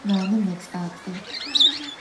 Nane mets'ats'e.